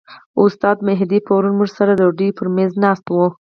استاد مهدي پرون موږ سره د ډوډۍ پر میز ناست و.